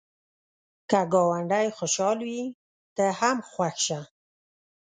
که ګاونډی خوشحال وي، ته هم خوښ شه